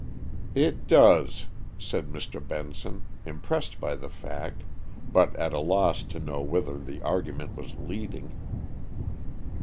"It does," said Mr. Benson, impressed by the fact, but at a loss to know whither the argument was leading.